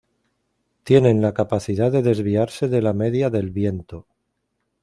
Tienen la capacidad de desviarse de la media del viento.